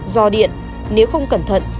do điện nếu không cẩn thận